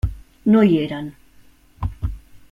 No hi eren.